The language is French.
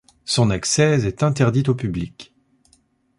Son accès est interdit au public.